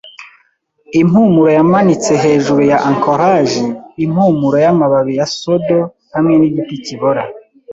impumuro yamanitse hejuru ya ankorage - impumuro yamababi ya sodo hamwe nigiti kibora.